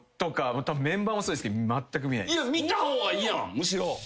いや見た方がいいやんむしろ。